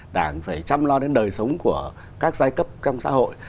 đảng phải chăm lo đến đời sống của các giai cấp trong xã hội